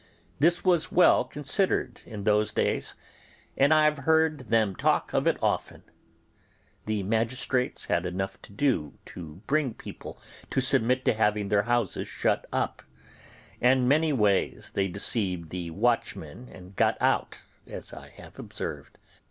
This was well considered in those days, and I have heard them talk of it often. The magistrates had enough to do to bring people to submit to having their houses shut up, and many ways they deceived the watchmen and got out, as I have observed.